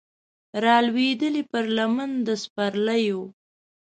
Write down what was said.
رالویدلې پر لمن د پسرلیو